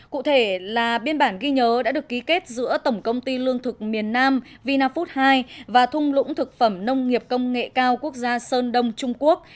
cụ thể là biên bản ghi nhớ đã được ký kết giữa tổng công ty lương thực miền nam vinafood hai và thung lũng thực phẩm nông nghiệp công nghệ cao quốc gia sơn đông trung quốc